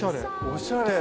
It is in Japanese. おしゃれ。